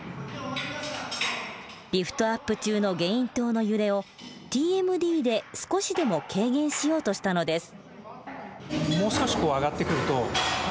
リフトアップ中のゲイン塔の揺れをＴＭＤで少しでも軽減しようとしたのです。